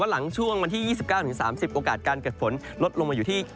หลังช่วงวันที่๒๙๓๐โอกาสการเกิดฝนลดลงมาอยู่ที่